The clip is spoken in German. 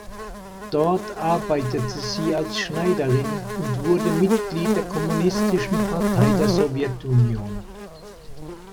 Dort arbeitete sie als Schneiderin und wurde Mitglied der Kommunistischen Partei der Sowjetunion.